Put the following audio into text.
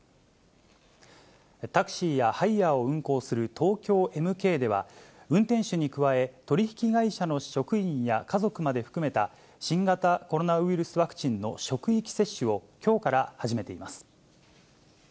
タクシーやハイヤーを運行する東京エムケイでは、運転手に加え、取り引き会社の職員や家族まで含めた、新型コロナウイルスワクチンの職域接種を、きょうから始めています。